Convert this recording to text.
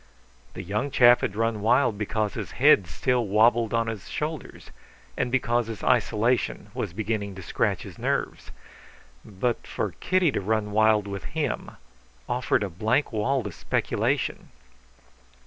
The young chap had run wild because his head still wobbled on his shoulders and because his isolation was beginning to scratch his nerves. But for Kitty to run wild with him offered a blank wall to speculation.